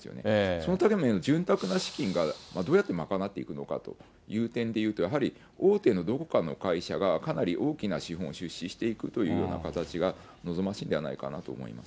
そのための潤沢な資金がどうやって賄っていくのかという点で言うと、やはり大手のどこかの会社がかなり大きな資本を出資していくというような形が望ましいんではないかなと思います。